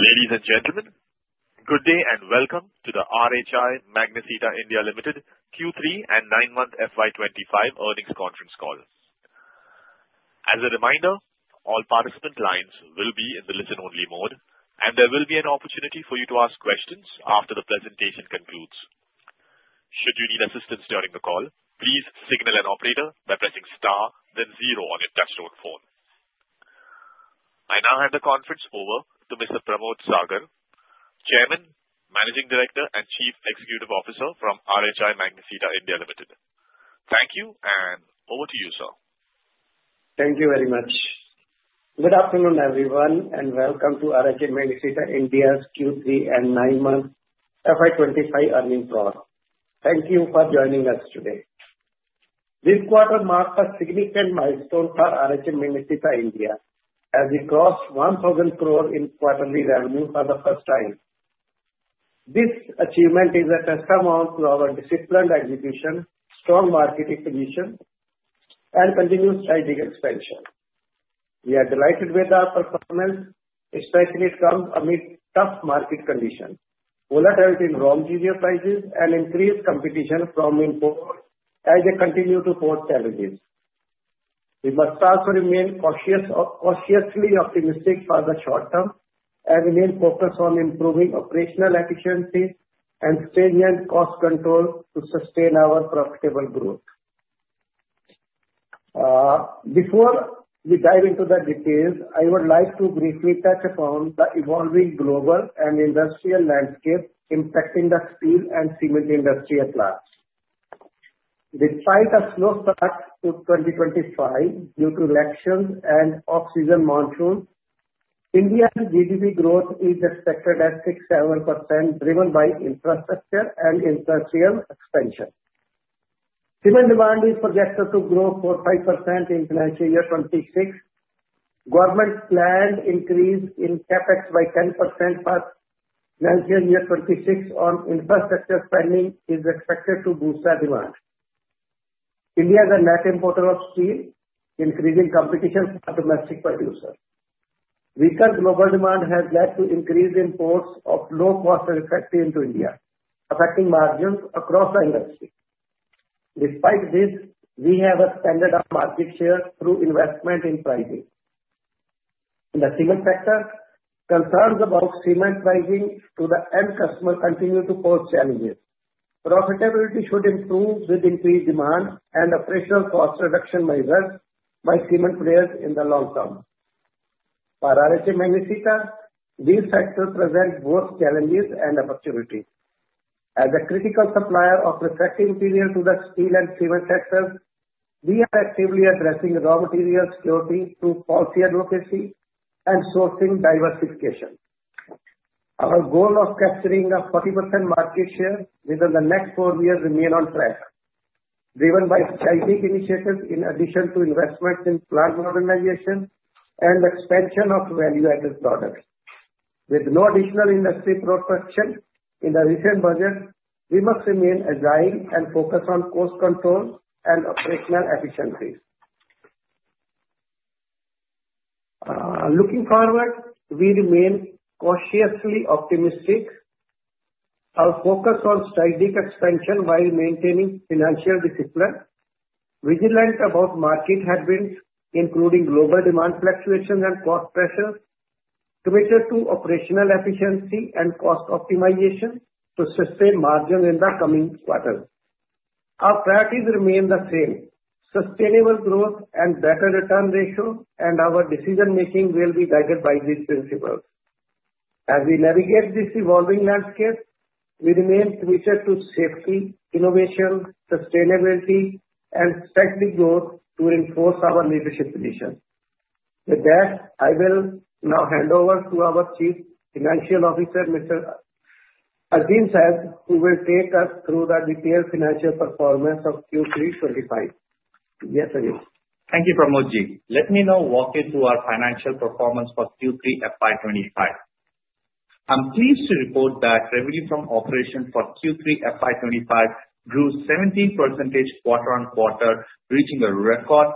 Ladies and gentlemen, good day and welcome to the RHI Magnesita India Limited Q3 and 9-month FY2025 earnings conference call. As a reminder, all participant lines will be in the listen-only mode, and there will be an opportunity for you to ask questions after the presentation concludes. Should you need assistance during the call, please signal an operator by pressing star, then zero on your touch-tone phone. I now hand the conference over to Mr. Parmod Sagar, Chairman, Managing Director, and Chief Executive Officer from RHI Magnesita India Limited. Thank you, and over to you, sir. Thank you very much. Good afternoon, everyone, and welcome to RHI Magnesita India's Q3 and 9-month FY2025 earnings call. Thank you for joining us today. This quarter marks a significant milestone for RHI Magnesita India, as we crossed 1,000 crores in quarterly revenue for the first time. This achievement is a testament to our disciplined execution, strong marketing position, and continued strategic expansion. We are delighted with our performance, especially it comes amid tough market conditions, volatility in raw material prices, and increased competition from imports as they continue to pose challenges. We must also remain cautiously optimistic for the short term and remain focused on improving operational efficiency and strengthening cost control to sustain our profitable growth. Before we dive into the details, I would like to briefly touch upon the evolving global and industrial landscape impacting the steel and cement industry at large. Despite a slow start to 2025 due to elections and off-season monsoons, India's GDP growth is expected at 6%-7%, driven by infrastructure and industrial expansion. Cement demand is projected to grow 4%-5% in financial year 2026. Government planned increase in CapEx by 10% for financial year 2026 on infrastructure spending is expected to boost the demand. India is a net importer of steel, increasing competition for domestic producers. Weaker global demand has led to increased imports of low-cost refractory into India, affecting margins across the industry. Despite this, we have expanded our market share through investment in pricing. In the cement sector, concerns about cement pricing to the end customer continue to pose challenges. Profitability should improve with increased demand and operational cost reduction measures by cement players in the long term. For RHI Magnesita, these factors present both challenges and opportunities. As a critical supplier of refractory materials to the steel and cement sectors, we are actively addressing raw material security through policy advocacy and sourcing diversification. Our goal of capturing a 40% market share within the next four years remains on track, driven by strategic initiatives in addition to investments in plant modernization and expansion of value-added products. With no additional industry protection in the recent budget, we must remain agile and focus on cost control and operational efficiencies. Looking forward, we remain cautiously optimistic. Our focus on strategic expansion while maintaining financial discipline, vigilant about market headwinds including global demand fluctuations and cost pressures, committed to operational efficiency and cost optimization to sustain margins in the coming quarters. Our priorities remain the same: sustainable growth and better return ratio, and our decision-making will be guided by these principles. As we navigate this evolving landscape, we remain committed to safety, innovation, sustainability, and strategic growth to reinforce our leadership position. With that, I will now hand over to our Chief Financial Officer, Mr. Azim Syed, who will take us through the detailed financial performance of Q3/2025. Yes, Azim. Thank you, Parmodji. Let me now walk you through our financial performance for Q3/FY2025. I'm pleased to report that revenue from operations for Q3/FY2025 grew 17% quarter on quarter, reaching a record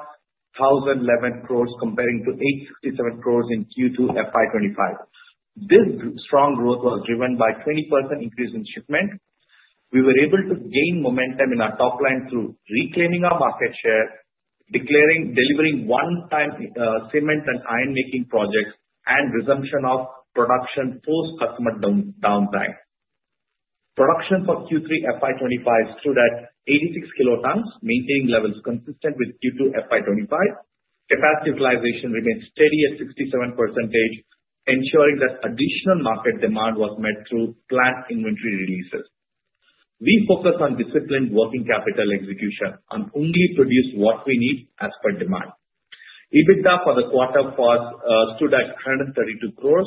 1,011 crores, comparing to 867 crores in Q2/FY2025. This strong growth was driven by a 20% increase in shipment. We were able to gain momentum in our top line through reclaiming our market share, delivering one-time cement and iron-making projects, and resumption of production post-customer downtime. Production for Q3/FY2025 stood at 86 kt, maintaining levels consistent with Q2/FY2025. Capacity utilization remained steady at 67%, ensuring that additional market demand was met through plant inventory releases. We focused on disciplined working capital execution and only produced what we needed as per demand. EBITDA for the quarter stood at 132 crores,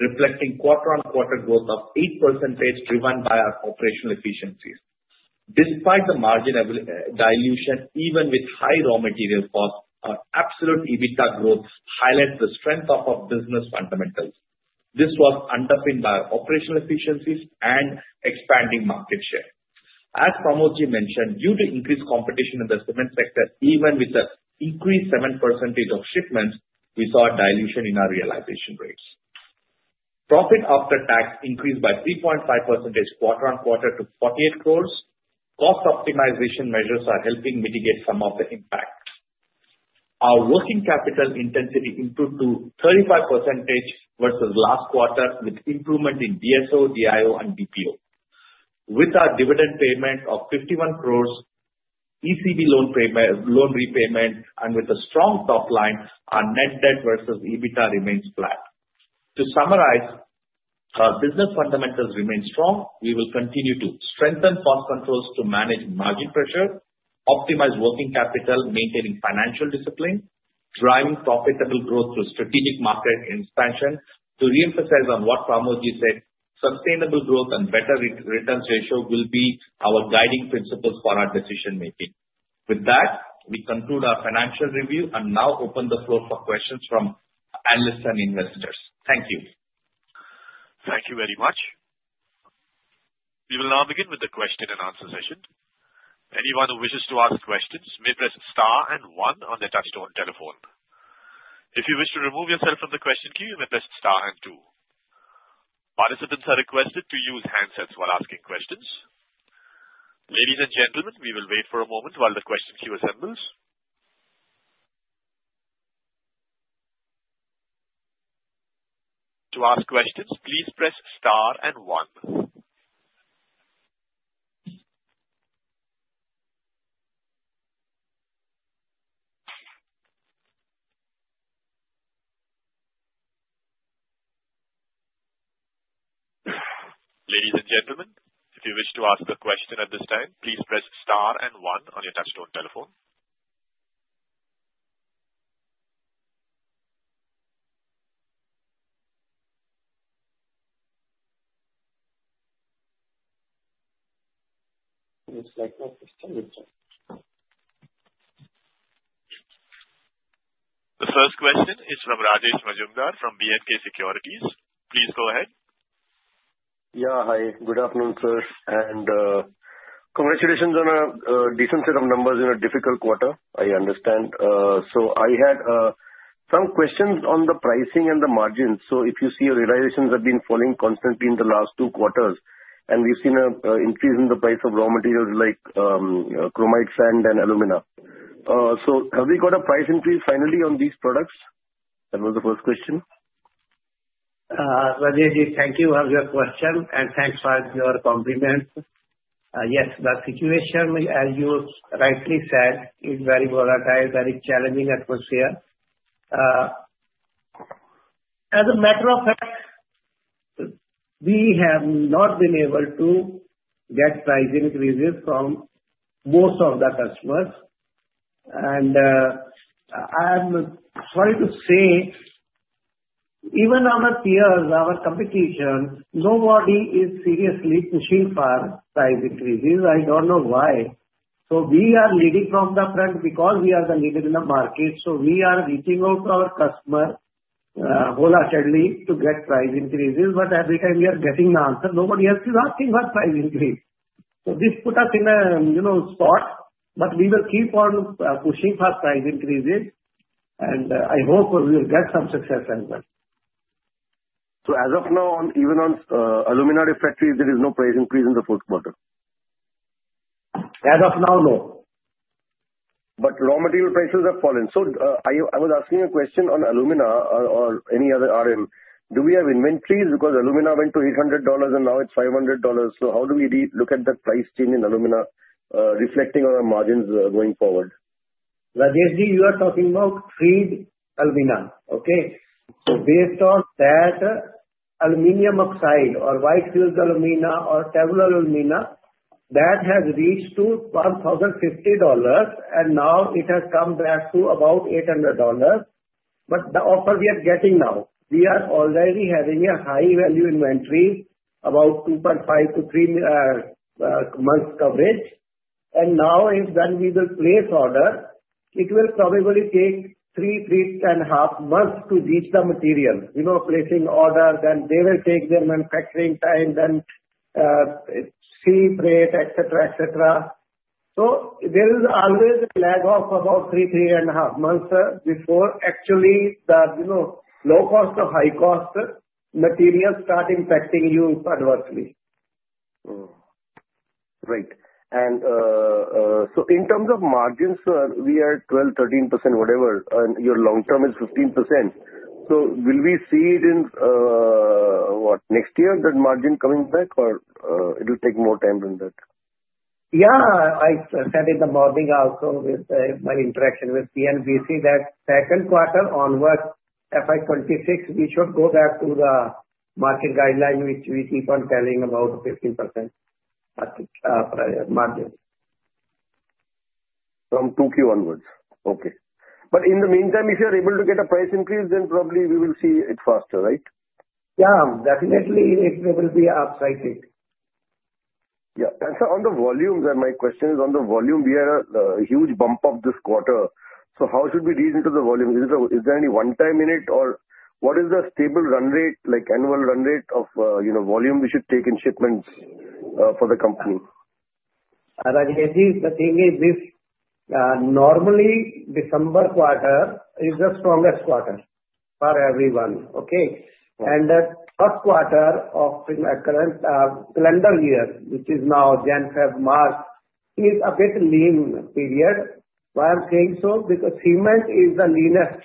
reflecting quarter-on-quarter growth of 8% driven by our operational efficiencies. Despite the margin dilution, even with high raw material costs, our absolute EBITDA growth highlights the strength of our business fundamentals. This was underpinned by our operational efficiencies and expanding market share. As Parmodji mentioned, due to increased competition in the cement sector, even with an increased 7% of shipments, we saw a dilution in our realization rates. Profit after tax increased by 3.5% quarter on quarter to 48 crores. Cost optimization measures are helping mitigate some of the impacts. Our working capital intensity improved to 35% versus last quarter, with improvement in DSO, DIO, and DPO. With our dividend payment of 51 crores, ECB loan repayment, and with a strong top line, our net debt versus EBITDA remains flat. To summarize, our business fundamentals remain strong. We will continue to strengthen cost controls to manage margin pressure, optimize working capital, maintain financial discipline, drive profitable growth through strategic market expansion. To re-emphasize on what Parmodji said, sustainable growth and better returns ratio will be our guiding principles for our decision-making. With that, we conclude our financial review and now open the floor for questions from analysts and investors. Thank you. Thank you very much. We will now begin with the question and answer session. Anyone who wishes to ask questions may press star and one on the touch-tone telephone. If you wish to remove yourself from the question queue, you may press star and two. Participants are requested to use handsets while asking questions. Ladies and gentlemen, we will wait for a moment while the question queue assembles. To ask questions, please press star and one. Ladies and gentlemen, if you wish to ask a question at this time, please press star and one on the touch-tone telephone. The first question is from Rajesh Majumdar from B&K Securities. Please go ahead. Yeah, hi. Good afternoon, sir. And congratulations on a decent set of numbers in a difficult quarter, I understand. So I had some questions on the pricing and the margins. So if you see, realizations have been falling constantly in the last two quarters, and we've seen an increase in the price of raw materials like chromite, sand, and alumina. So have we got a price increase finally on these products? That was the first question. Rajeshji, thank you for your question, and thanks for your compliments. Yes, the situation, as you rightly said, is very volatile, very challenging atmosphere. As a matter of fact, we have not been able to get price increases from most of the customers. And I'm sorry to say, even our peers, our competition, nobody is seriously pushing for price increases. I don't know why. So we are leading from the front because we are the leader in the market. So we are reaching out to our customers volatilely to get price increases. But every time we are getting the answer, nobody else is asking for price increase. So this put us in a spot, but we will keep on pushing for price increases, and I hope we will get some success as well. So as of now, even on alumina refractory, there is no price increase in the fourth quarter? As of now, no. But raw material prices have fallen. So I was asking a question on alumina or any other RM. Do we have inventories? Because alumina went to $800, and now it's $500. So how do we look at the price change in alumina, reflecting on our margins going forward? Rajeshji, you are talking about feed alumina. Okay. So based on that, aluminum oxide or white fused alumina or tabular alumina, that has reached $1,050, and now it has come back to about $800. But the offer we are getting now, we are already having a high-value inventory, about 2.5-3 months coverage. And now, when we will place order, it will probably take three to three and a half months to reach the material. Placing order, then they will take their manufacturing time, then sea freight, etc., etc. So there is always a lag of about three to three and a half months before actually the low cost or high cost materials start impacting you adversely. Right. And so in terms of margins, we are 12%-13%, whatever, and your long term is 15%. So will we see it in, what, next year, that margin coming back, or it will take more time than that? Yeah, I said in the morning also with my interaction with CNBC that second quarter onwards, FY2026, we should go back to the market guideline, which we keep on telling about 15% margin. From 2Q onwards. Okay. But in the meantime, if you are able to get a price increase, then probably we will see it faster, right? Yeah, definitely. It will be upside take. Yeah, and so on the volumes, my question is, on the volume, we had a huge bump up this quarter, so how should we read into the volume? Is there any one-time in it, or what is the stable run rate, like annual run rate of volume we should take in shipments for the company? Rajesh ji, the thing is, normally, December quarter is the strongest quarter for everyone. Okay. And the third quarter of the current calendar year, which is now January, February, March, is a bit lean period. Why I'm saying so? Because cement is the leanest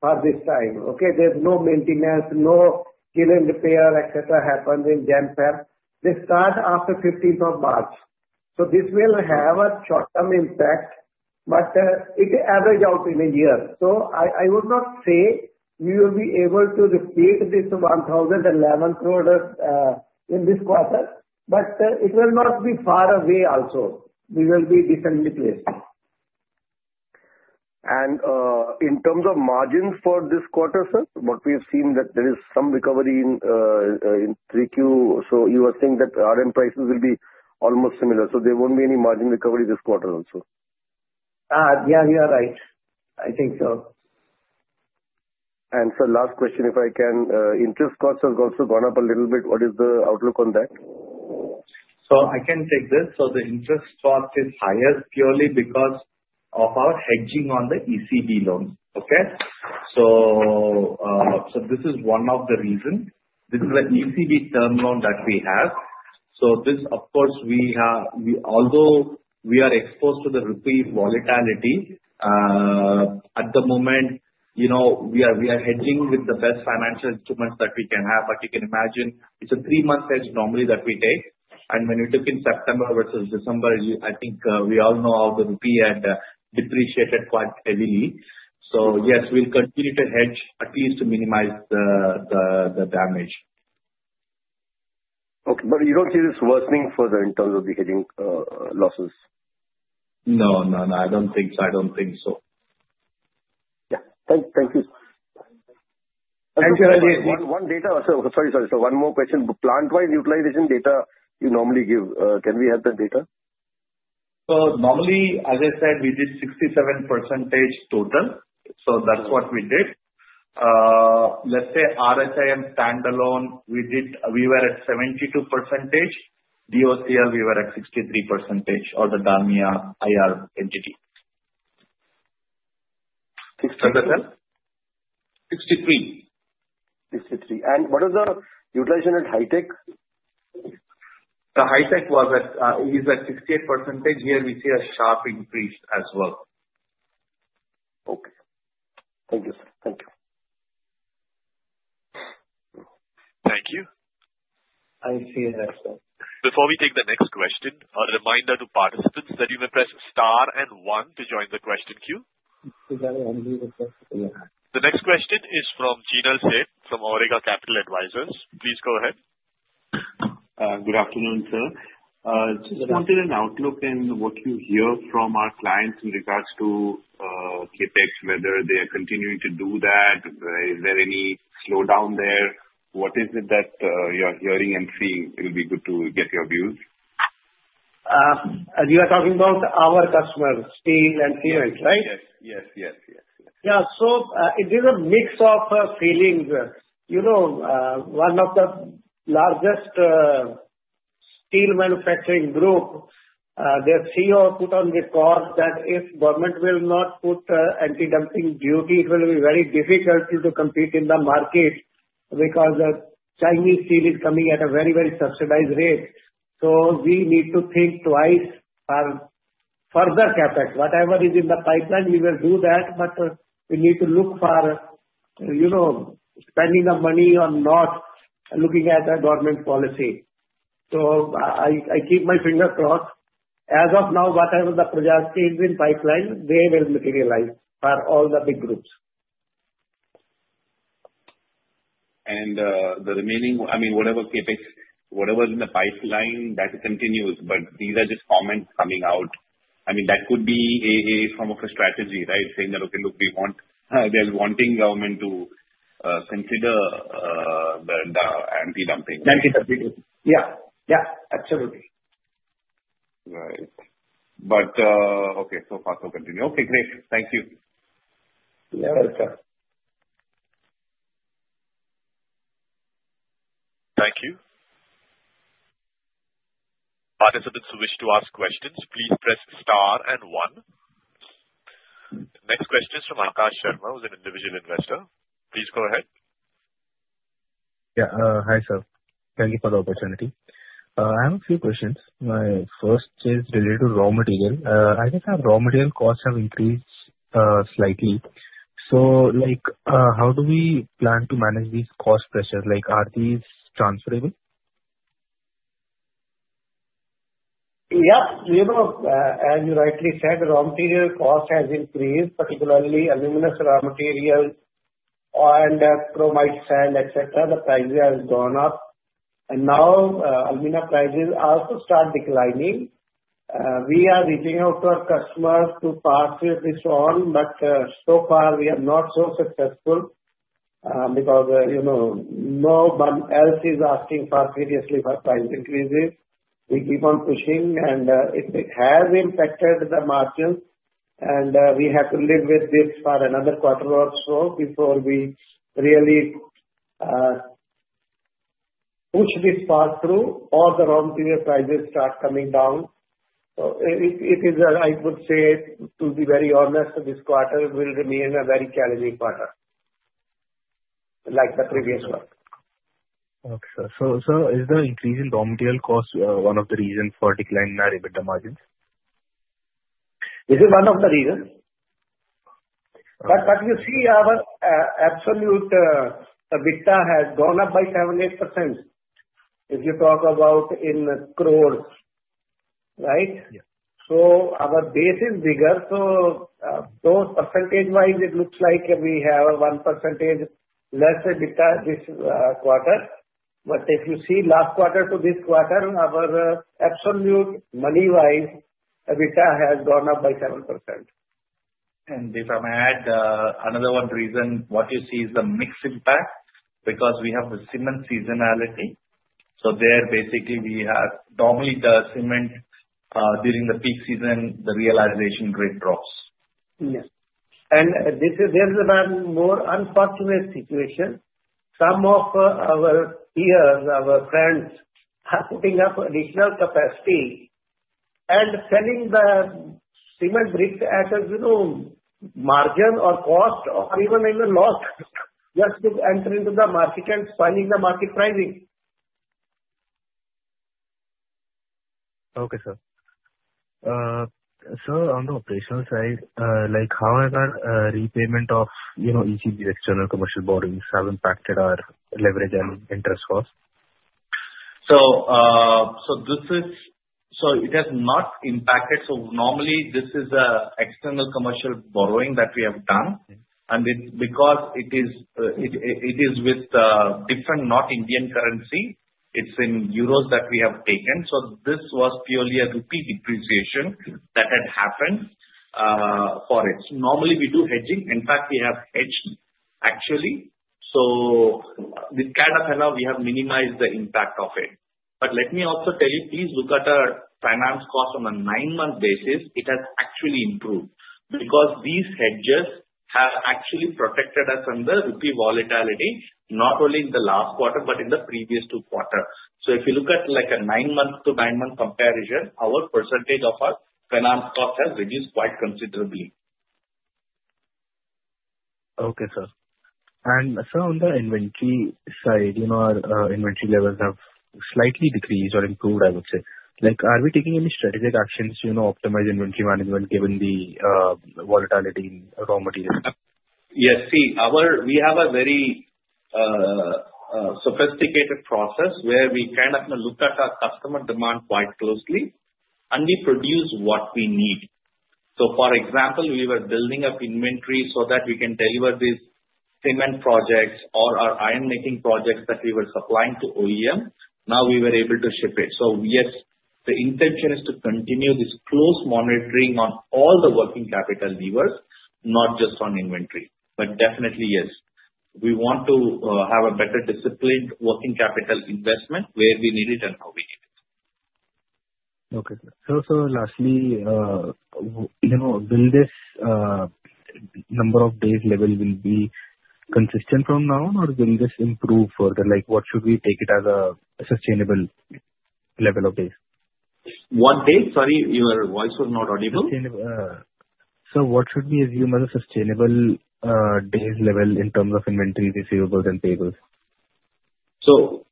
for this time. Okay. There's no maintenance, no clean and repair, etc., happen in January-February. They start after 15th of March. So this will have a short-term impact, but it averages out in a year. So I would not say we will be able to repeat this 1,011 crore in this quarter, but it will not be far away also. We will be decently placed. And in terms of margins for this quarter, sir, what we have seen that there is some recovery in 3Q. So you were saying that RM prices will be almost similar. So there won't be any margin recovery this quarter also. Yeah, you are right. I think so. Sir, last question, if I can. Interest cost has also gone up a little bit. What is the outlook on that? I can take this. The interest cost is highest purely because of our hedging on the ECB loans. Okay. This is one of the reasons. This is an ECB term loan that we have. This, of course, although we are exposed to the rupee volatility at the moment, we are hedging with the best financial instruments that we can have. But you can imagine it's a three-month hedge normally that we take when we took in September versus December. I think we all know how the rupee had depreciated quite heavily. Yes, we'll continue to hedge at least to minimize the damage. Okay. But you don't see this worsening further in terms of the hedging losses? No, no, no. I don't think so. I don't think so. Yeah. Thank you. One data also. So one more question. Plant-wise utilization data you normally give. Can we have that data? Normally, as I said, we did 67% total. That's what we did. Let's say RHIM standalone, we were at 72%. DOCL, we were at 63% of the Dalmia IR entity. 63%? 63. 63. And what is the utilization at Hi-Tech? The Hi-Tech is at 68%. Here, we see a sharp increase as well. Okay. Thank you, sir. Thank you. Thank you. I see that, sir. Before we take the next question, a reminder to participants that you may press star and one to join the question queue. The next question is from Jinal Sheth from Awriga Capital Advisors. Please go ahead. Good afternoon, sir. Just wanted an outlook in what you hear from our clients in regards to CapEx, whether they are continuing to do that. Is there any slowdown there? What is it that you're hearing and seeing? It will be good to get your views. You are talking about our customers, steel and cement, right? Yes, yes, yes, yes. Yeah. So it is a mix of feelings. One of the largest steel manufacturing groups, their CEO put on record that if government will not put anti-dumping duty, it will be very difficult to compete in the market because the Chinese steel is coming at a very, very subsidized rate. So we need to think twice for further CapEx. Whatever is in the pipeline, we will do that, but we need to look for spending of money or not, looking at the government policy. So I keep my fingers crossed. As of now, whatever the project is in pipeline, they will materialize for all the big groups. And the remaining, I mean, whatever CapEx, whatever is in the pipeline, that continues. But these are just comments coming out. I mean, that could be from a strategy, right, saying that, okay, look, they're wanting government to consider the anti-dumping. Anti-dumping. Yeah, yeah. Absolutely. Right. But okay, so far so continued. Okay, great. Thank you. You're welcome. Thank you. Participants who wish to ask questions, please press star and one. Next question is from Akash Sharma, who's an individual investor. Please go ahead. Yeah. Hi, sir. Thank you for the opportunity. I have a few questions. My first is related to raw material. I guess our raw material costs have increased slightly. So how do we plan to manage these cost pressures? Are these transferable? Yeah. As you rightly said, the raw material cost has increased, particularly alumina raw material and chromite, sand, etc. The price has gone up. And now, alumina prices also start declining. We are reaching out to our customers to part with this one, but so far, we are not so successful because no one else is asking for previously for price increases. We keep on pushing, and it has impacted the margins, and we have to live with this for another quarter or so before we really push this part through or the raw material prices start coming down. So it is, I would say, to be very honest, this quarter will remain a very challenging quarter like the previous one. Okay, so is the increase in raw material cost one of the reasons for declining our EBITDA margins? Is it one of the reasons? But you see, our absolute EBITDA has gone up by 7%-8% if you talk about in crores, right? So our base is bigger. So those percentage-wise, it looks like we have a 1% less EBITDA this quarter. But if you see last quarter to this quarter, our absolute money-wise, EBITDA has gone up by 7%. If I may add, another one reason what you see is the mixed impact because we have the cement seasonality. There, basically, we have normally the cement during the peak season, the realization rate drops. Yes. And this is a more unfortunate situation. Some of our peers, our friends are putting up additional capacity and selling the cement bricks at a margin or cost or even in the loss just to enter into the market and finding the market pricing. Okay, sir. Sir, on the operational side, how have our repayment of ECB external commercial borrowings impacted our leverage and interest costs? It has not impacted. Normally, this is an external commercial borrowing that we have done, and because it is with different, not Indian currency, it's in euros that we have taken. This was purely a rupee depreciation that had happened for it. Normally, we do hedging. In fact, we have hedged, actually, with forwards and all, we have minimized the impact of it. But let me also tell you, please look at our finance cost on a nine-month basis. It has actually improved because these hedges have actually protected us under rupee volatility, not only in the last quarter but in the previous two quarters. If you look at a nine-month to nine-month comparison, our percentage of our finance cost has reduced quite considerably. Okay, sir. And sir, on the inventory side, our inventory levels have slightly decreased or improved, I would say. Are we taking any strategic actions to optimize inventory management given the volatility in raw materials? Yes. See, we have a very sophisticated process where we kind of look at our customer demand quite closely, and we produce what we need. So for example, we were building up inventory so that we can deliver these cement projects or our iron-making projects that we were supplying to OEM. Now we were able to ship it. So yes, the intention is to continue this close monitoring on all the working capital levers, not just on inventory. But definitely, yes. We want to have a better disciplined working capital investment where we need it and how we need it. Okay. So, sir, lastly, will this number of days level be consistent from now on, or will this improve further? What should we take it as a sustainable level of days? What days? Sorry, your voice was not audible. Sir, what should we assume as a sustainable days level in terms of inventory receivables and payables?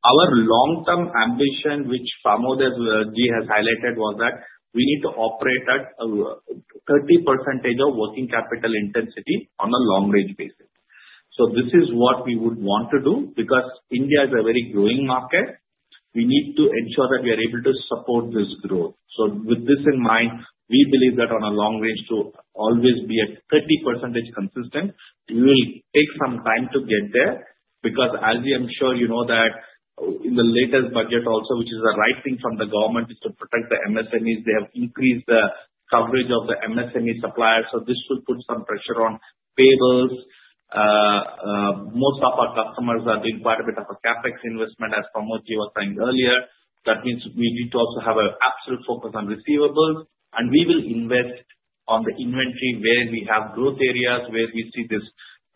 Our long-term ambition, which Parmodji has highlighted, was that we need to operate at 30% of working capital intensity on a long-range basis. This is what we would want to do because India is a very growing market. We need to ensure that we are able to support this growth. With this in mind, we believe that on a long-range basis we always want to be at 30% consistently. We will take some time to get there because, as I'm sure you know, in the latest budget also, which is the right thing from the government, is to protect the MSMEs. They have increased the coverage of the MSME suppliers. This will put some pressure on payables. Most of our customers are doing quite a bit of CapEx investment, as Parmodji was saying earlier. That means we need to also have an absolute focus on receivables. We will invest on the inventory where we have growth areas, where we see this,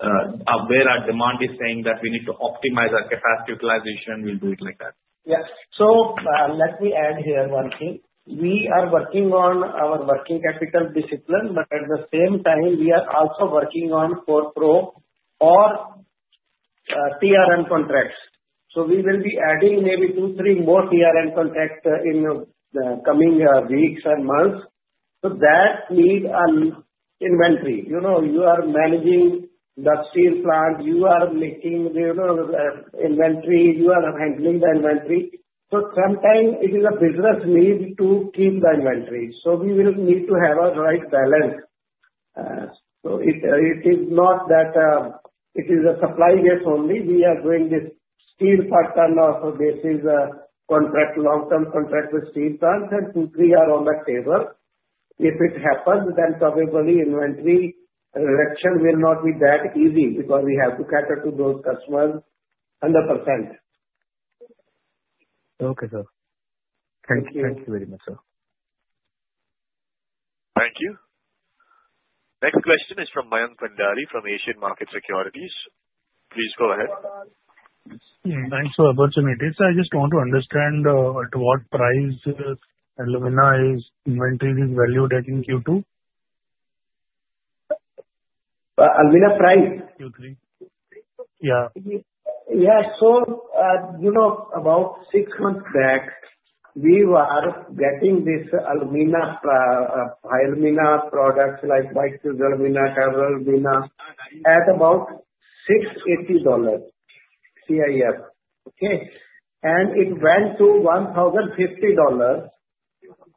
where our demand is saying that we need to optimize our capacity utilization. We'll do it like that. Yeah. So let me add here one thing. We are working on our working capital discipline, but at the same time, we are also working on 4PRO or TRM contracts. So we will be adding maybe two, three more TRM contracts in the coming weeks and months to that need inventory. You are managing the steel plant. You are making the inventory. You are handling the inventory. So sometimes it is a business need to keep the inventory. So we will need to have a right balance. So it is not that it is a supply-based only. We are doing this steel part on our basis, long-term contract with steel plants, and two, three are on the table. If it happens, then probably inventory reduction will not be that easy because we have to cater to those customers 100%. Okay, sir. Thank you. Thank you very much, sir. Thank you. Next question is from Mayank Bhandari from Asian Markets Securities. Please go ahead. Thanks for the opportunity. Sir, I just want to understand to what price alumina's inventory is valued at in Q2? Alumina price? Q3. Yeah. Yeah. So about six months back, we were getting these alumina products like white fused alumina, calcined alumina at about $680 CIF. Okay? And it went to $1,050.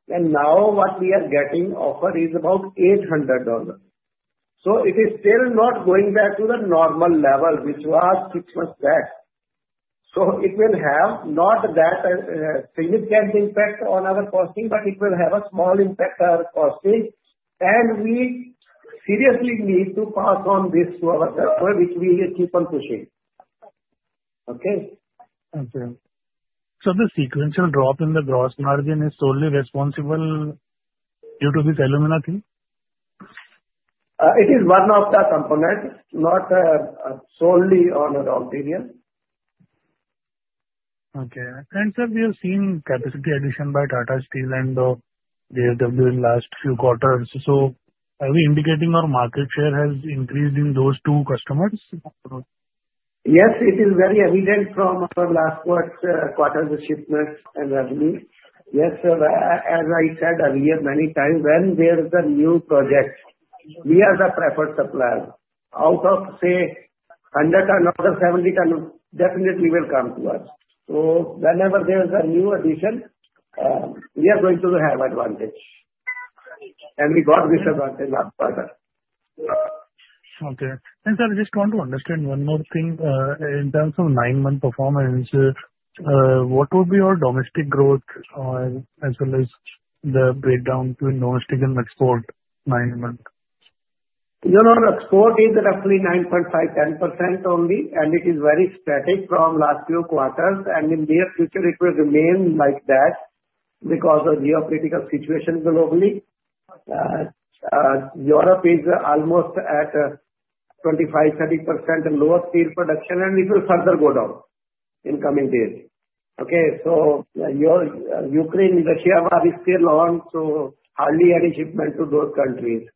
And now what we are getting offered is about $800. So it is still not going back to the normal level, which was six months back. So it will have not that significant impact on our costing, but it will have a small impact on our costing. And we seriously need to pass on this to our customers, which we will keep on pushing. Okay? Thank you. So the sequential drop in the gross margin is solely responsible due to this alumina thing? It is one of the components, not solely on the raw material. Okay. And sir, we have seen capacity addition by Tata Steel and JSW in the last few quarters. So are we indicating our market share has increased in those two customers? Yes. It is very evident from our last quarter's shipments and revenue. Yes, sir, as I said earlier many times, when there is a new project, we are the preferred supplier. Out of, say, 100 tons or 70 tons, definitely will come to us. So whenever there is a new addition, we are going to have advantage, and we got this advantage last quarter. Okay, and sir, I just want to understand one more thing. In terms of nine-month performance, what would be your domestic growth as well as the breakdown between domestic and export nine months? Export is roughly 9.5%-10% only, and it is very static from last few quarters. In the near future, it will remain like that because of geopolitical situation globally. Europe is almost at 25%-30% lower steel production, and it will further go down in coming days. Okay? To Ukraine and Russia, there are still hardly any shipments to those countries.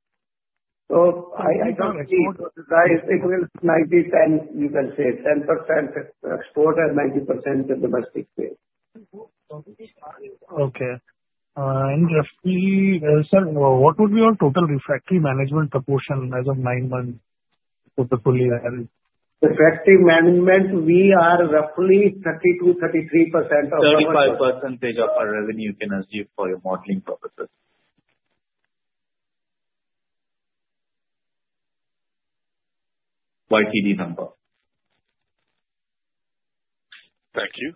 I don't see it will 90-10, you can say, 10% export and 90% domestic sales. Okay. And roughly, sir, what would be your total refractory management proportion as of nine months? Refractory management, we are roughly 32%-33% of our revenue. 35% of our revenue, you can assume for your modeling purposes. YTD number. Thank you.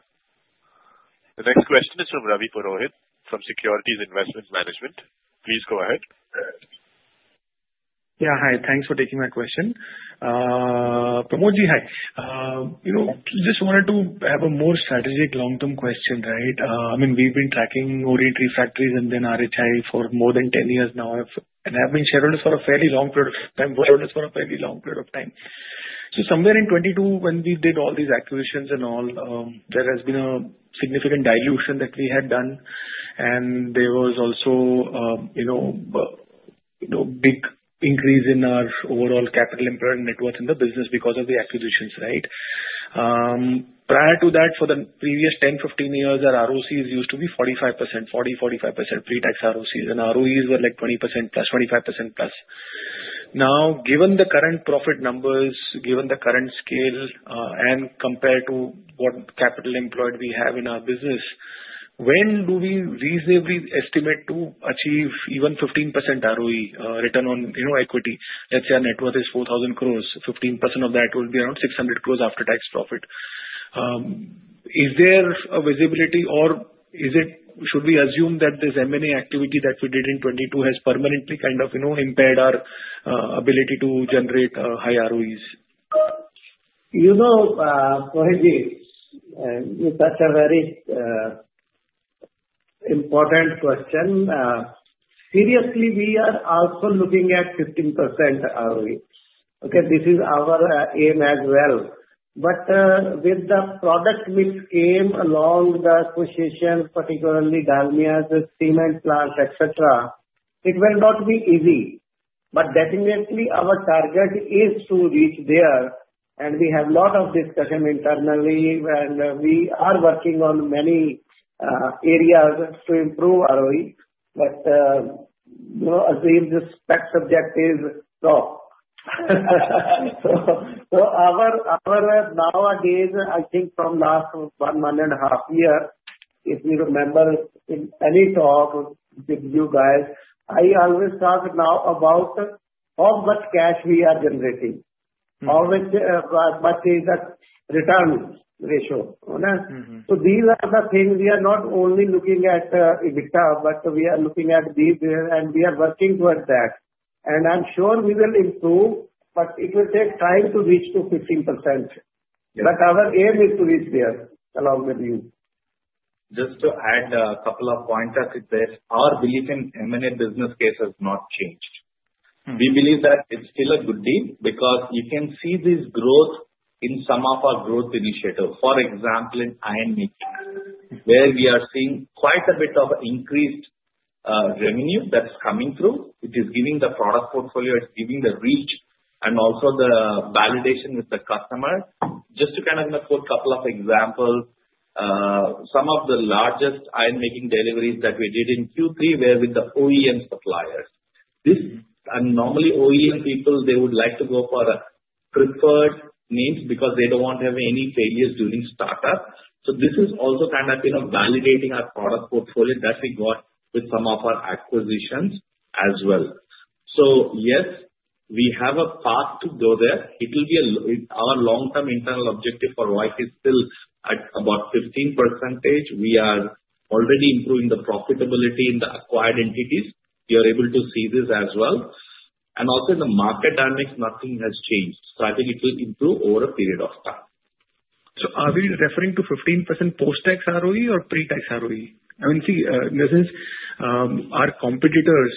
The next question is from Ravi Purohit from Securities Investment Management. Please go ahead. Yeah. Hi. Thanks for taking my question. Parmodji, hi. Just wanted to have a more strategic long-term question, right? I mean, we've been tracking Orient Refractories and then RHI for more than 10 years now. And I've been shareholders for a fairly long period of time, shareholders for a fairly long period of time. So somewhere in 2022, when we did all these acquisitions and all, there has been a significant dilution that we had done. And there was also a big increase in our overall capital net worth in the business because of the acquisitions, right? Prior to that, for the previous 10-15 years, our ROCEs used to be 45%, 40%-45% pretax ROCEs. And ROEs were like 20% plus, 25% plus. Now, given the current profit numbers, given the current scale, and compared to what capital employed we have in our business, when do we reasonably estimate to achieve even 15% ROE return on equity? Let's say our net worth is 4,000 crores. 15% of that would be around 600 crores after tax profit. Is there a visibility, or should we assume that this M&A activity that we did in 2022 has permanently kind of impaired our ability to generate high ROEs? Purohitji, that's a very important question. Seriously, we are also looking at 15% ROE. Okay? This is our aim as well, but with the product which came along the acquisition, particularly Dalmia's cement plants, etc., it will not be easy, but definitely, our target is to reach there, and we have a lot of discussion internally, and we are working on many areas to improve ROE, but as in the specific subject is talk, so nowadays, I think from last one and a half years, if you remember any talk with you guys, I always talk now about how much cash we are generating, how much is the return ratio. So these are the things we are not only looking at EBITDA, but we are looking at these, and we are working towards that, and I'm sure we will improve, but it will take time to reach to 15%. But our aim is to reach there along with you. Just to add a couple of points as it says, our belief in M&A business case has not changed. We believe that it's still a good deal because you can see this growth in some of our growth initiatives. For example, in iron-making, where we are seeing quite a bit of increased revenue that's coming through. It is giving the product portfolio, it's giving the reach, and also the validation with the customer. Just to kind of put a couple of examples, some of the largest iron-making deliveries that we did in Q3 were with the OEM suppliers. Normally, OEM people, they would like to go for preferred names because they don't want to have any failures during startup. So this is also kind of validating our product portfolio that we got with some of our acquisitions as well. So yes, we have a path to go there. It will be our long-term internal objective for ROE is still at about 15%. We are already improving the profitability in the acquired entities. You are able to see this as well, and also in the market dynamics, nothing has changed, so I think it will improve over a period of time. So are we referring to 15% post-tax ROE or pre-tax ROE? I mean, see, our competitors,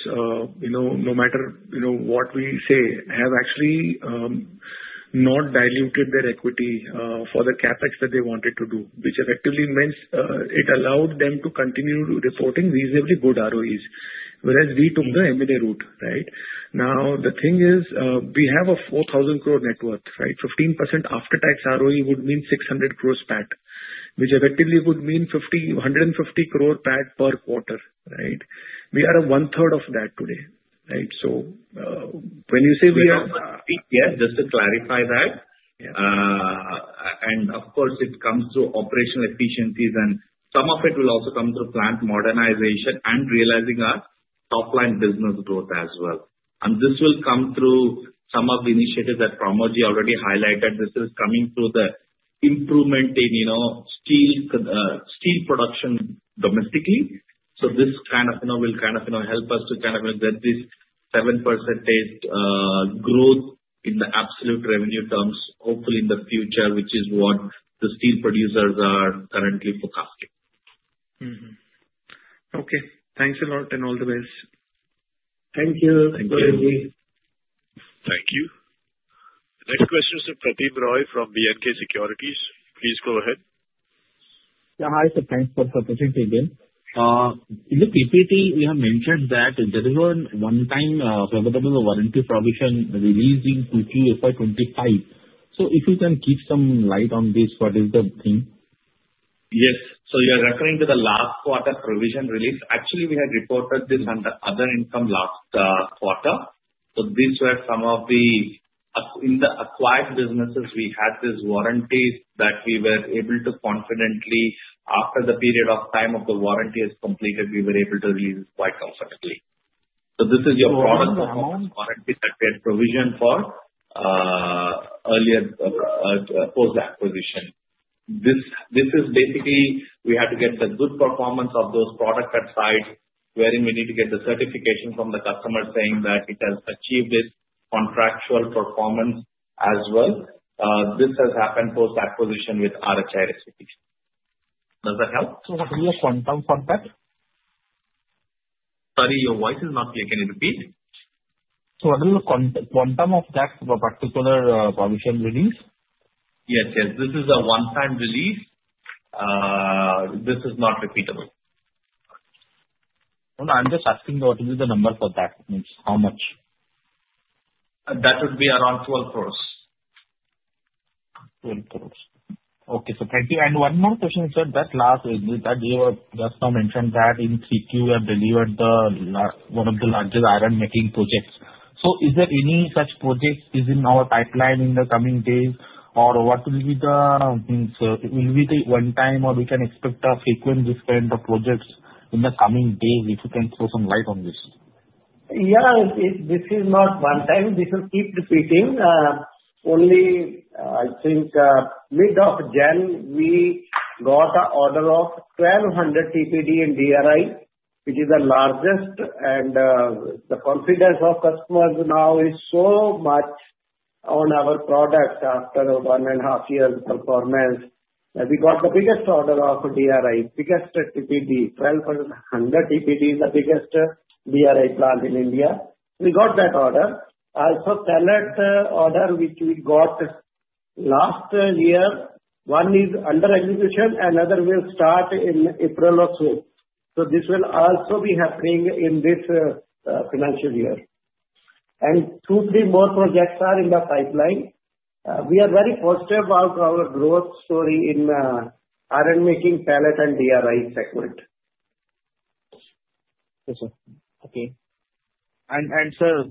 no matter what we say, have actually not diluted their equity for the CapEx that they wanted to do, which effectively means it allowed them to continue reporting reasonably good ROEs, whereas we took the M&A route, right? Now, the thing is we have a 4,000 crore net worth, right? 15% after-tax ROE would mean 600 crores PAT, which effectively would mean 150 crore PAT per quarter, right? We are a one-third of that today, right? So when you say we are. Yeah. Just to clarify that. And of course, it comes through operational efficiencies, and some of it will also come through plant modernization and realizing our top-line business growth as well. And this will come through some of the initiatives that Pramod already highlighted. This is coming through the improvement in steel production domestically. So this kind of will kind of help us to kind of get this 7% growth in the absolute revenue terms, hopefully in the future, which is what the steel producers are currently forecasting. Okay. Thanks a lot and all the best. Thank you. Thank you. Thank you. Next question is from Pratim Roy from B&K Securities. Please go ahead. Yeah. Hi, sir. Thanks for the opportunity again. In the PPT, we have mentioned that there is one-time warranty provision released in Q3, FY2025. So if you can shed some light on this, what is the thing? Yes, so you are referring to the last quarter provision release. Actually, we had reported this under other income last quarter. So these were some of the in the acquired businesses, we had this warranty that we were able to confidently, after the period of time of the warranty is completed, we were able to release quite comfortably. So this is your product performance warranty that we had provision for earlier post-acquisition. This is basically we had to get the good performance of those products at site, wherein we need to get the certification from the customer saying that it has achieved this contractual performance as well. This has happened post-acquisition with RHI Magnesita. Does that help? So what is the quantum of that? Sorry, your voice is not clear. Can you repeat? So what is the quantum of that particular provision release? Yes. Yes. This is a one-time release. This is not repeatable. No, I'm just asking what is the number for that, how much? That would be around 12 crores. 12 crores. Okay. So thank you. And one more question, sir, that last that you just now mentioned that in Q3, we have delivered one of the largest iron-making projects. So is there any such project in our pipeline in the coming days, or what will be the will it be the one-time or we can expect a frequent this kind of projects in the coming days if you can throw some light on this? Yeah. This is not one-time. This will keep repeating. Only I think mid-January, we got an order of 1,200 TPD in DRI, which is the largest. And the confidence of customers now is so much on our product after one and a half years' performance. We got the biggest order of DRI, biggest TPD. 1,200 TPD is the biggest DRI plant in India. We got that order. Also, pellet order which we got last year, one is under execution, another will start in April or so, so this will also be happening in this financial year, and two, three more projects are in the pipeline. We are very positive about our growth story in iron-making, pellet, and DRI segment. Yes, sir. Okay. Sir,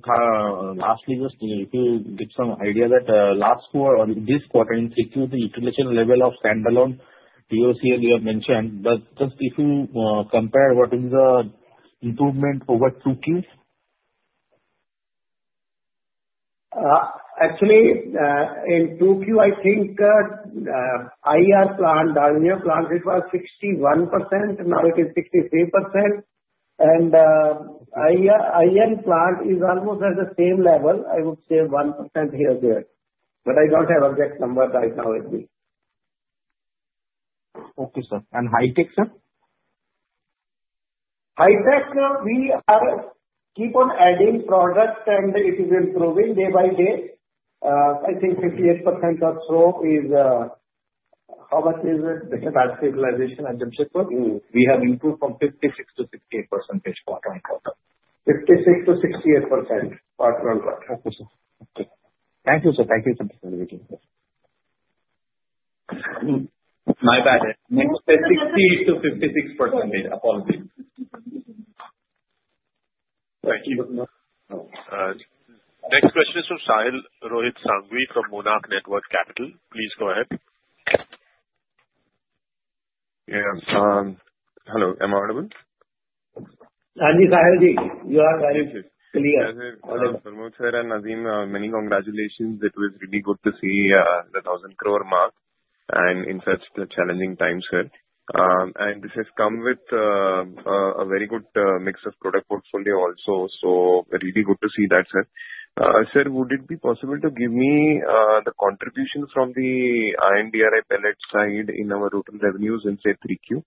lastly, just if you get some idea that last quarter or this quarter in Q3, the utilization level of standalone POC that you have mentioned, but just if you compare what is the improvement over Q2? Actually, in 2Q, I think RHI plant, Dalmia plant, it was 61%. Now it is 63%. And IN plant is almost at the same level. I would say 1% here or there. But I don't have exact number right now with me. Okay, sir, and Hi-Tech, sir? Hi-Tech, we keep on adding products, and it is improving day by day. I think 58% or so is how much is it? That's utilization and demand? We have improved from 56% to 68% quarter on quarter. 56%-68% quarter on quarter. Okay, sir. Okay. Thank you, sir. Thank you for the visibility. My bad. 68% to 56%. Apologies. Thank you. Next question is from Sahil Rohit Sangvi from Monarch Networth Capital. Please go ahead. Yeah. Hello. Am I audible? Sahilji, you are very clear. Parmodji and Azim, many congratulations. It was really good to see the 1,000 crore mark and in such challenging times, sir. And this has come with a very good mix of product portfolio also. So really good to see that, sir. Sir, would it be possible to give me the contribution from the iron DRI pellet side in our total revenues in, say, 3Q?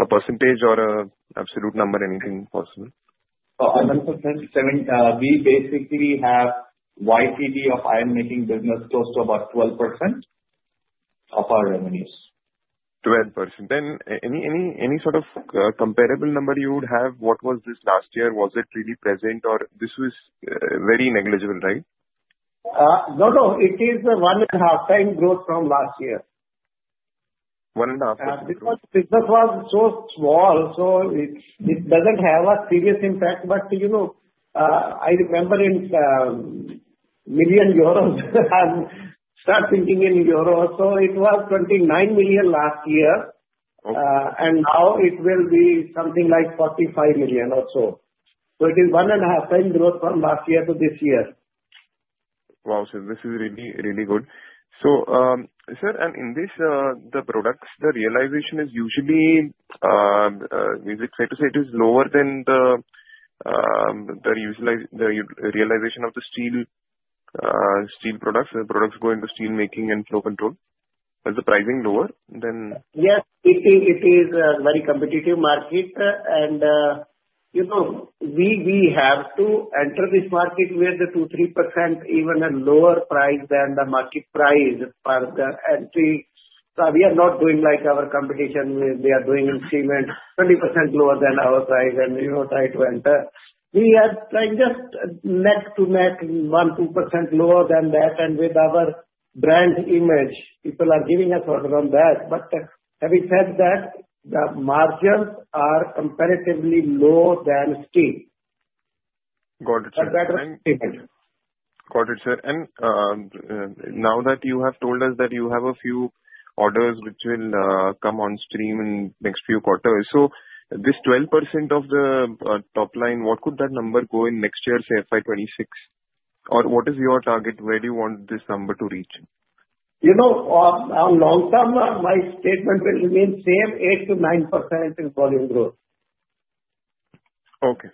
A percentage or an absolute number, anything possible? 100%. We basically have YTD of iron-making business close to about 12% of our revenues. 12%. Then any sort of comparable number you would have? What was this last year? Was it really present, or this was very negligible, right? No, no. It is 1.5 times growth from last year. One-and-a-half? Because the business was so small, so it doesn't have a serious impact. But I remember in million euros, I started thinking in euros. So it was 29 million last year. And now it will be something like 45 million or so. So it is one-and-a-half times growth from last year to this year. Wow, sir. This is really good. So, sir, and in this, the products, the realization is usually, we try to say it is lower than the realization of the steel products, the products going to steel making and flow control. Is the pricing lower than? Yes. It is a very competitive market. And we have to enter this market with the 2%-3%, even a lower price than the market price for the entry. So we are not doing like our competition. They are doing in cement, 20% lower than our price, and we will try to enter. We are just neck-to-neck, 1%-2% lower than that. And with our brand image, people are giving us orders on that. But having said that, the margins are comparatively lower than steel. Got it, sir. Thank you. Got it, sir. And now that you have told us that you have a few orders which will come on stream in the next few quarters, so this 12% of the top line, what could that number go in next year, say, FY2026? Or what is your target? Where do you want this number to reach? On long term, my statement will remain same, 8%-9% in volume growth. Okay.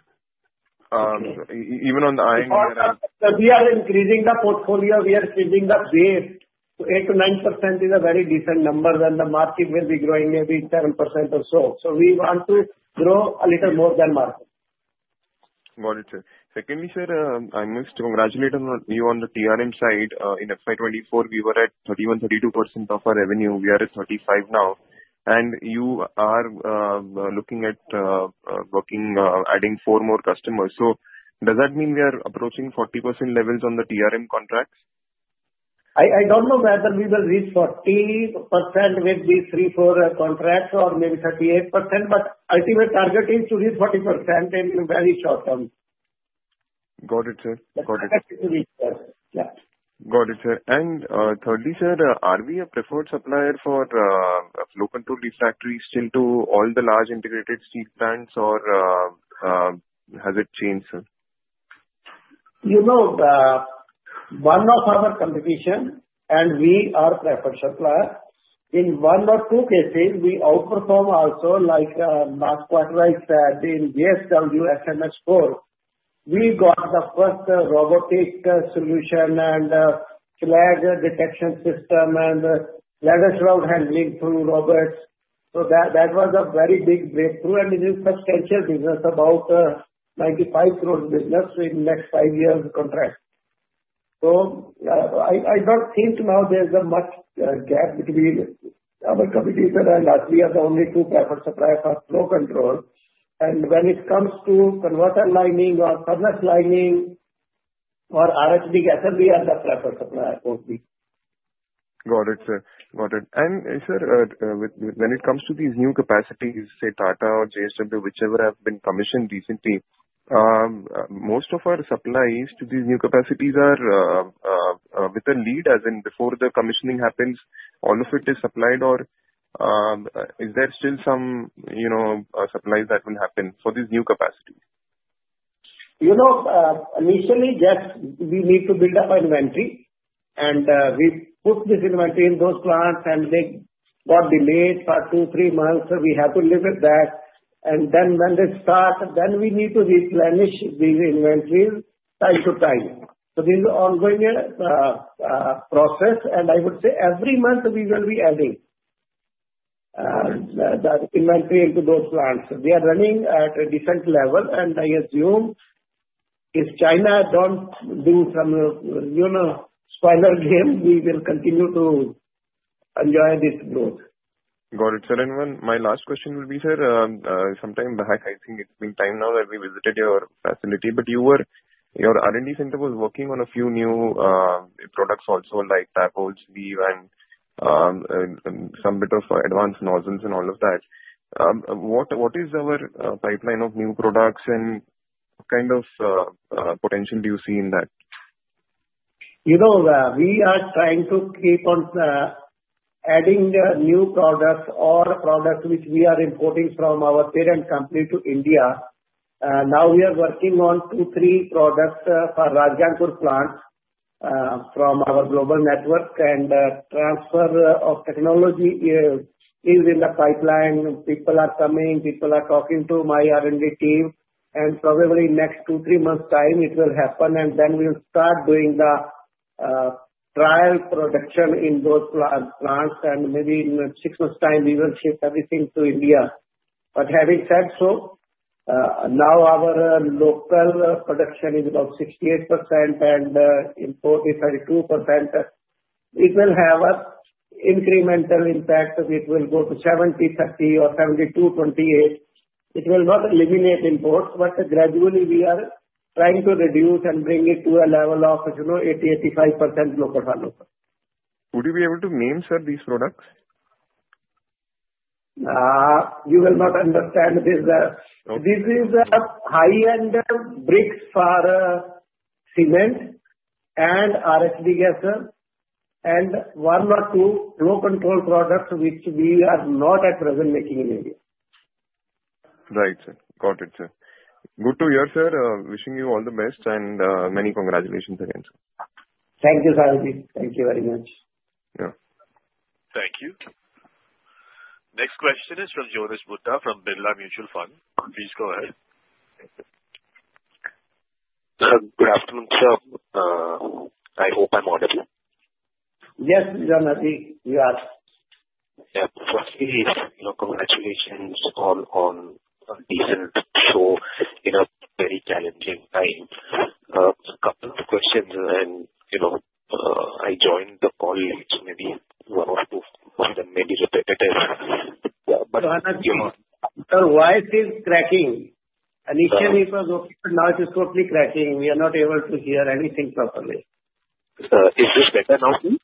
Even on the iron DRI? We are increasing the portfolio. We are shipping the base, so 8%-9% is a very decent number when the market will be growing maybe 7% or so, so we want to grow a little more than market. Got it, sir. Secondly, sir, I must congratulate you on the TRM side. In FY2024, we were at 31%-32% of our revenue. We are at 35% now. And you are looking at adding four more customers. So does that mean we are approaching 40% levels on the TRM contracts? I don't know whether we will reach 40% with these three, four contracts or maybe 38%, but ultimate target is to reach 40% in very short term. Got it, sir. Got it. That's the target to reach. Yeah. Got it, sir. And thirdly, sir, are we a preferred supplier for Flow Control Refractories into all the large integrated steel plants, or has it changed, sir? One of our competition, and we are a preferred supplier. In one or two cases, we outperform also. Like last quarter, I said in JSW SMS 4, we got the first robotic solution and slag detection system and ladle shroud handling through robots. So that was a very big breakthrough, and it is substantial business, about 95 crore business in next five years' contract. So I don't think now there's a much gap between our competition and us. We are the only two preferred suppliers for flow control. And when it comes to converter lining or furnace lining or RH Degasser, we are the preferred supplier, mostly. Got it, sir. Got it. And sir, when it comes to these new capacities, say, Tata or JSW, whichever have been commissioned recently, most of our supplies to these new capacities are with a lead, as in before the commissioning happens, all of it is supplied, or is there still some supplies that will happen for these new capacities? Initially, yes, we need to build up our inventory. And we put this inventory in those plants, and they got delayed for two, three months. So we have to live with that. And then when they start, then we need to replenish these inventories time to time. So this is an ongoing process. And I would say every month we will be adding that inventory into those plants. We are running at a decent level. And I assume if China don't do some spoiler game, we will continue to enjoy this growth. Got it, sir. And my last question would be, sir, sometimes I think it's been time now that we visited your facility, but your R&D center was working on a few new products also, like taphole sleeves, and some bit of advanced nozzles and all of that. What is our pipeline of new products, and what kind of potential do you see in that? We are trying to keep on adding new products or products which we are importing from our parent company to India. Now we are working on two, three products for Rajgangpur plant from our global network. And the transfer of technology is in the pipeline. People are coming. People are talking to my R&D team. And probably in the next two, three months' time, it will happen. And then we'll start doing the trial production in those plants. And maybe in six months' time, we will ship everything to India. But having said so, now our local production is about 68%, and import is 32%. It will have an incremental impact. It will go to 70-30, or 72-28. It will not eliminate imports, but gradually we are trying to reduce and bring it to a level of 80%-85% local run rate. Would you be able to name, sir, these products? You will not understand this. This is high-end bricks for cement and RH Degasser, and one or two flow control products which we are not at present making in India. Right, sir. Got it, sir. Good to hear, sir. Wishing you all the best, and many congratulations again, sir. Thank you, Sahilji. Thank you very much. Yeah. Thank you. Next question is from Jonas Bhutta from Birla Mutual Fund. Please go ahead. Good afternoon, sir. I hope I'm audible. Yes, Jonasji, you are. Yeah. Congratulations all on a decent show in a very challenging time. A couple of questions, and I joined the call, so maybe one or two of them may be repetitive. Jonasji, the wire seems cracking. Initially, it was okay, but now it is totally cracking. We are not able to hear anything properly. Is this better now too?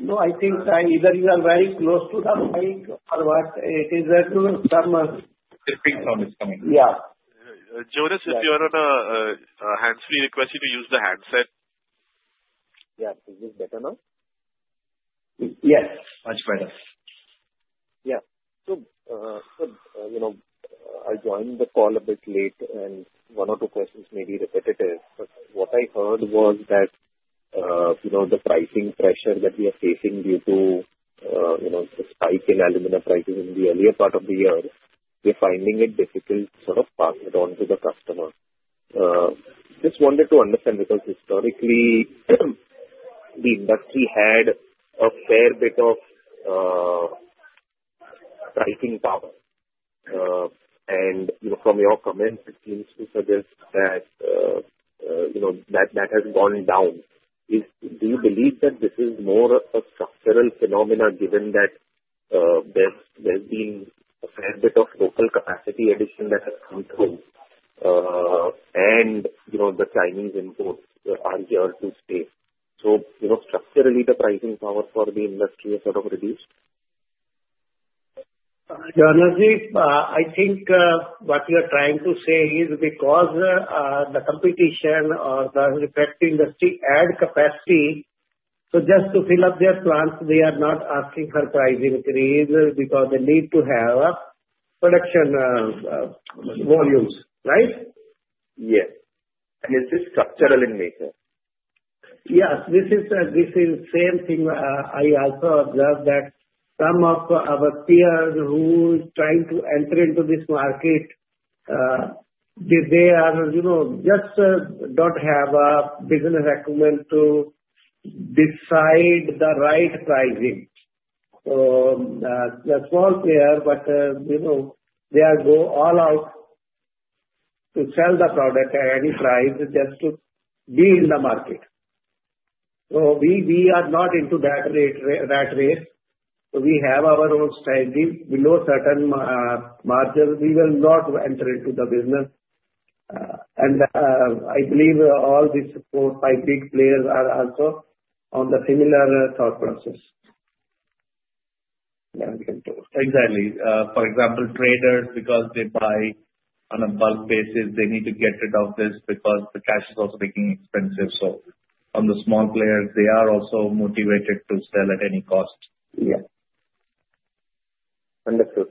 No, I think either you are very close to the mic or what. It is that some. Clipping sound is coming. Yeah. Jonas, if you are on a hands-free, request you to use the handset. Yeah. Is this better now? Yes. Much better. Yeah. So I joined the call a bit late, and one or two questions may be repetitive. But what I heard was that the pricing pressure that we are facing due to the spike in aluminum prices in the earlier part of the year, we're finding it difficult to sort of pass it on to the customer. Just wanted to understand because historically, the industry had a fair bit of pricing power. And from your comments, it seems to suggest that that has gone down. Do you believe that this is more a structural phenomenon given that there's been a fair bit of local capacity addition that has come through, and the Chinese imports are here to stay? So structurally, the pricing power for the industry has sort of reduced? Jonasji, I think what you are trying to say is because the competition or the refractory industry adds capacity. So just to fill up their plants, they are not asking for price increase because they need to have production volumes, right? Yes. And is this structural in nature? Yes. This is the same thing I also observed that some of our peers who are trying to enter into this market, they just don't have a business acumen to decide the right pricing. So they're small players, but they go all out to sell the product at any price just to be in the market. So we are not into that race. So we have our own strategy. Below certain margins, we will not enter into the business. And I believe all these four, five big players are also on the similar thought process. Exactly. For example, traders, because they buy on a bulk basis, they need to get rid of this because the cash is also getting expensive. So on the small players, they are also motivated to sell at any cost. Yeah. Wonderful.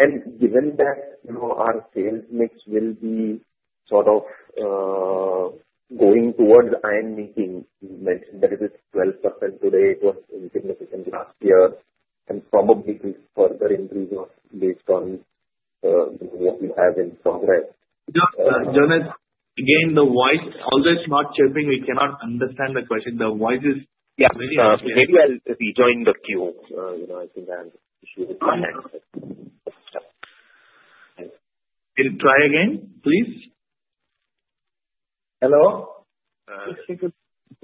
And given that our sales mix will be sort of going towards iron-making, you mentioned that it is 12% today. It was significant last year. And probably this further increase was based on what you have in progress. Jonas, again, the voice is always not clear. We cannot understand the question. The voice is really unclear. Maybe I'll rejoin the queue. I think I'll issue the hands-free. Try again, please. Hello? Jonas said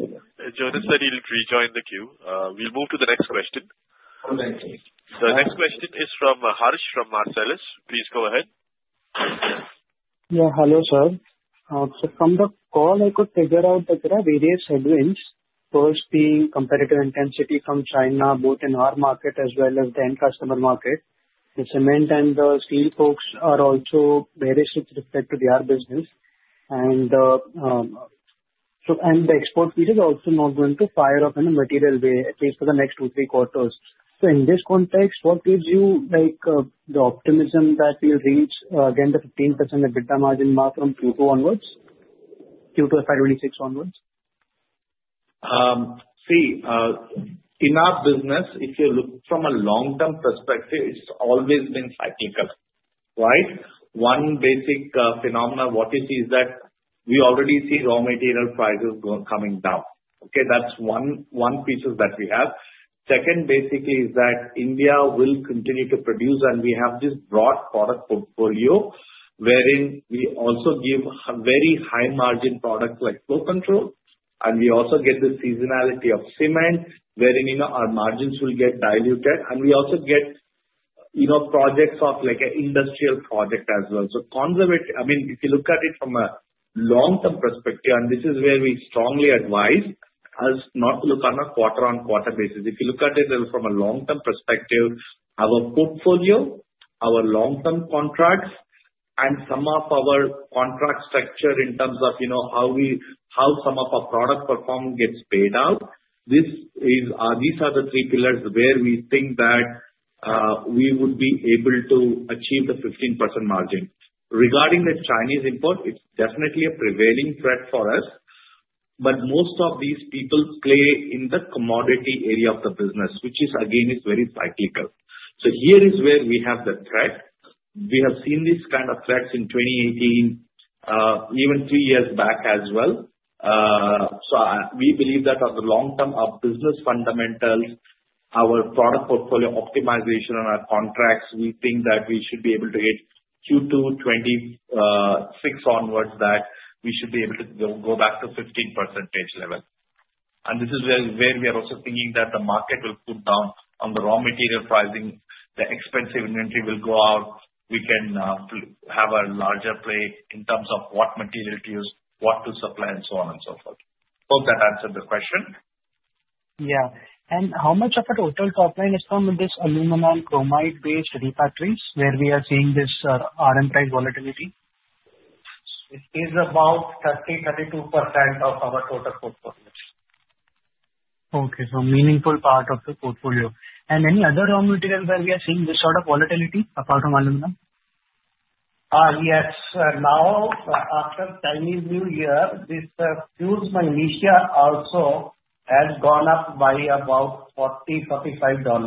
he'll rejoin the queue. We'll move to the next question. The next question is from Harsh from Marcellus. Please go ahead. Yeah. Hello, sir. So from the call, I could figure out that there are various headwinds, first being competitive intensity from China, both in our market as well as the end customer market. The cement and the steel folks are also very strict with respect to their business. And the export feed is also not going to fire up in a material way, at least for the next two, three quarters. So in this context, what gives you the optimism that we'll reach again the 15% EBITDA margin mark from Q2 onwards, Q2 FY2026 onwards? See, in our business, if you look from a long-term perspective, it's always been cyclical, right? One basic phenomenon what we see is that we already see raw material prices coming down. Okay? That's one piece that we have. Second, basically, is that India will continue to produce, and we have this broad product portfolio wherein we also give very high-margin products like flow control. And we also get the seasonality of cement, wherein our margins will get diluted. And we also get projects of an industrial project as well. So I mean, if you look at it from a long-term perspective, and this is where we strongly advise us not to look on a quarter-on-quarter basis. If you look at it from a long-term perspective, our portfolio, our long-term contracts, and some of our contract structure in terms of how some of our product performance gets paid out, these are the three pillars where we think that we would be able to achieve the 15% margin. Regarding the Chinese import, it's definitely a prevailing threat for us. But most of these people play in the commodity area of the business, which is, again, very cyclical. So here is where we have the threat. We have seen these kinds of threats in 2018, even three years back as well. So we believe that on the long term, our business fundamentals, our product portfolio optimization, and our contracts, we think that we should be able to hit Q2 2026 onwards, that we should be able to go back to 15% EBITDA level. And this is where we are also thinking that the market will cool down on the raw material pricing. The expensive inventory will go out. We can have a larger play in terms of what material to use, what to supply, and so on and so forth. Hope that answered the question. Yeah. And how much of a total top line is from this alumina chromite-based refractories where we are seeing this R&D volatility? It is about 30%-32% of our total portfolio. Okay. So a meaningful part of the portfolio. And any other raw material where we are seeing this sort of volatility apart from alumina? Yes. Now, after Chinese New Year, this fused magnesia also has gone up by about $40-$45.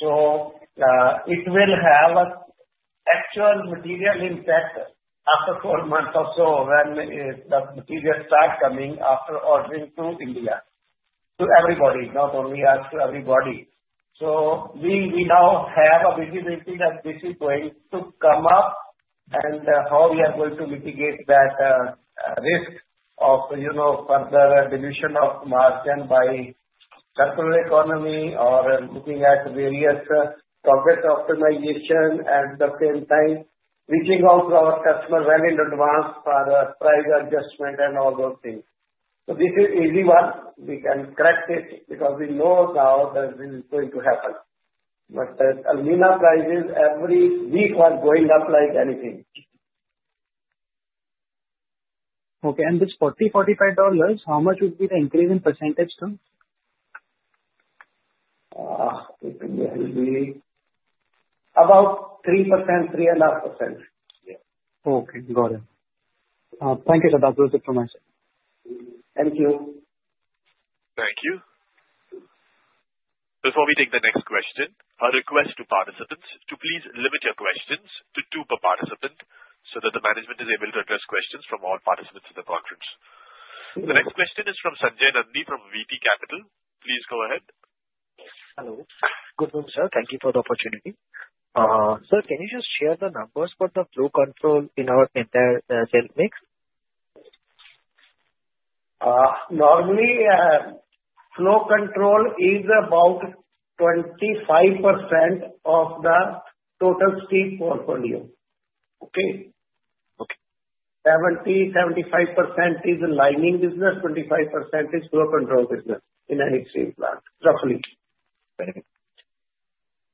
So it will have an actual material impact after four months or so when the materials start coming after ordering to India, to everybody, not only us, to everybody. So we now have a visibility that this is going to come up, and how we are going to mitigate that risk of further dilution of margin by circular economy or looking at various project optimization at the same time, reaching out to our customer well in advance for price adjustment and all those things. So this is easy one. We can correct it because we know now that this is going to happen. But Alumina prices every week are going up like anything. Okay. This $40-$45, how much would be the increase in percentage, sir? About 3%, 3.5%. Okay. Got it. Thank you. That will be it for my side. Thank you. Thank you. Before we take the next question, our request to participants is to please limit your questions to two per participant so that the management is able to address questions from all participants in the conference. The next question is from Sanjay Nandi from VT Capital. Please go ahead. Hello. Good morning, sir. Thank you for the opportunity. Sir, can you just share the numbers for the flow control in our entire sales mix? Normally, flow control is about 25% of the total steel portfolio. Okay? Okay. 70%-75% is the lining business. 25% is flow control business in any steel plant, roughly. Very good.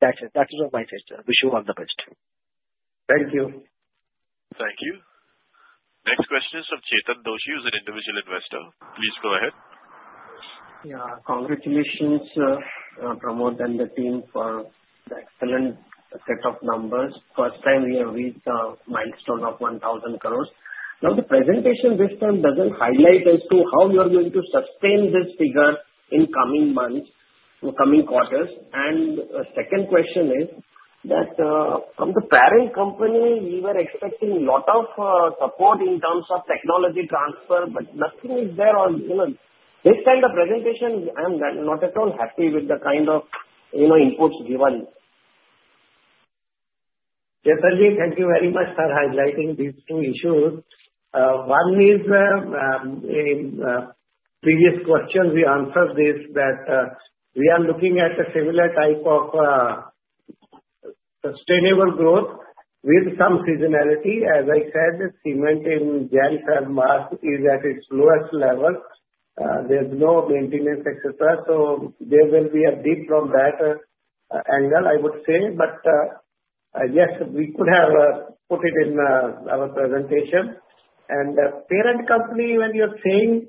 That is all my side, sir. Wish you all the best. Thank you. Thank you. Next question is from Chetan Doshi, who's an individual investor. Please go ahead. Yeah. Congratulations, sir, from all the team for the excellent set of numbers. First time we have reached a milestone of 1,000 crores. Now, the presentation this time doesn't highlight as to how you are going to sustain this figure in coming months or coming quarters. And the second question is that from the parent company, we were expecting a lot of support in terms of technology transfer, but nothing is there. This kind of presentation, I'm not at all happy with the kind of inputs given. Chetanji, thank you very much for highlighting these two issues. One is, in previous questions, we answered this, that we are looking at a similar type of sustainable growth with some seasonality. As I said, cement in monsoon season is at its lowest level. There's no maintenance, etc. So there will be a dip from that angle, I would say. But yes, we could have put it in our presentation. And parent company, when you're saying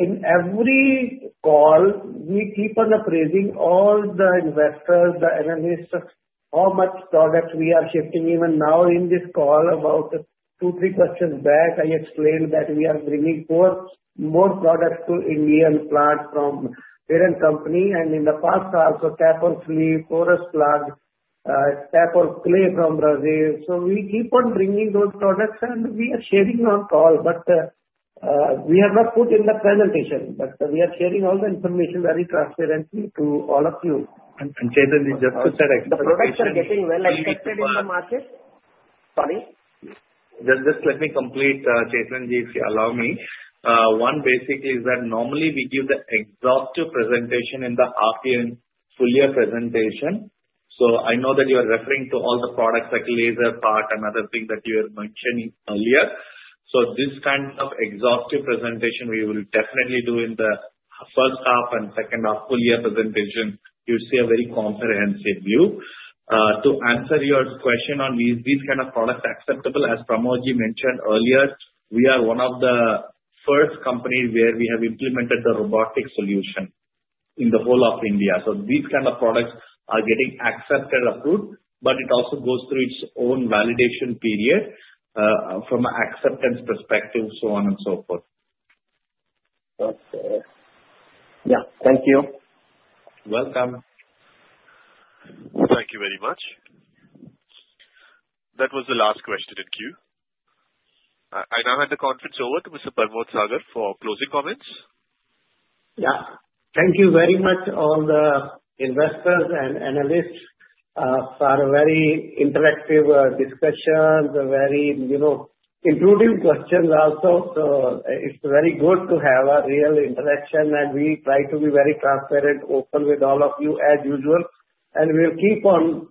in every call, we keep on appraising all the investors, the analysts, how much product we are shifting. Even now, in this call, about two, three questions back, I explained that we are bringing more products to Indian plants from parent company. And in the past, also taphole sleeve, porous plug, taphole clay from Brazil. So we keep on bringing those products, and we are sharing on call. But we have not put in the presentation, but we are sharing all the information very transparently to all of you. Chetan ji, just to set example. The products are getting well accepted in the market. Sorry? Just let me complete, Chetanji, if you allow me. One, basically, is that normally we give the exhaustive presentation in the half-year and full-year presentation. So I know that you are referring to all the products like laser part and other things that you were mentioning earlier. So this kind of exhaustive presentation, we will definitely do in the first half and second half full-year presentation. You'll see a very comprehensive view. To answer your question on these kinds of products acceptable, as Parmodji mentioned earlier, we are one of the first companies where we have implemented the robotic solution in the whole of India. So these kinds of products are getting accepted and approved, but it also goes through its own validation period from an acceptance perspective, so on and so forth. Okay. Yeah. Thank you. You're welcome. Thank you very much. That was the last question in queue. I now hand the conference over to Mr. Parmod Sagar for closing comments. Yeah. Thank you very much, all the investors and analysts, for a very interactive discussion, very intriguing questions also. So it's very good to have a real interaction. And we try to be very transparent, open with all of you as usual. And we'll keep on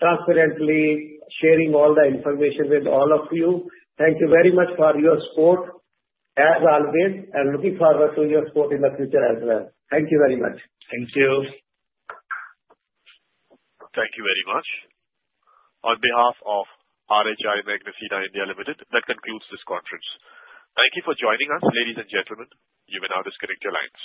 transparently sharing all the information with all of you. Thank you very much for your support as always. And looking forward to your support in the future as well. Thank you very much. Thank you. Thank you very much. On behalf of RHI Magnesita India Limited, that concludes this conference. Thank you for joining us, ladies and gentlemen. You may now disconnect your lines.